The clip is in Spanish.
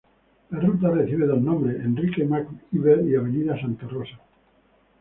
La ruta recibe dos nombres, Enrique Mac-Iver y Avenida Santa Rosa.